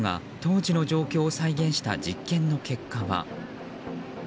消防庁が当時の状況を再現した実験の結果は。